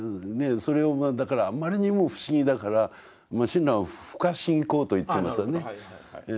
それをまああまりにも不思議だから親鸞は不可思議光と言っていますよね。